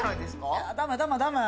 いや、ダメダメダメ！